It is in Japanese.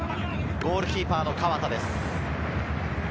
ゴールキーパーは河田です。